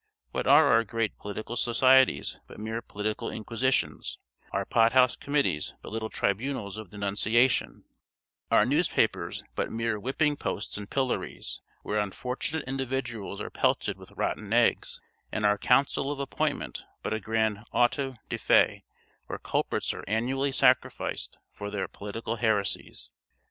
What are our great political societies but mere political inquisitions our pot house committees but little tribunals of denunciation our newspapers but mere whipping posts and pillories, where unfortunate individuals are pelted with rotten eggs and our council of appointment but a grand auto da fe, where culprits are annually sacrificed for their political heresies?